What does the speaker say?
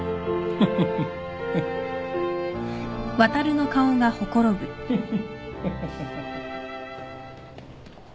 フフフフフ。